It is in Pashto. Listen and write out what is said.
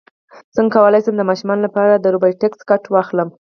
څنګه کولی شم د ماشومانو لپاره د روبوټکس کټ واخلم